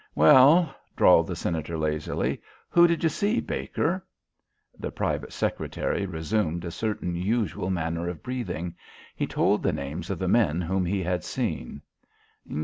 "Well," drawled the Senator lazily, "who did you see, Baker?" The private secretary resumed a certain usual manner of breathing. He told the names of the men whom he had seen.